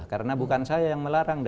karena bukan saya yang melarang